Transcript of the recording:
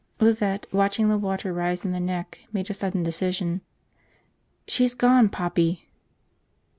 Lizette, watching the water rise in the neck, made a sudden decision. "She's gone, Poppy."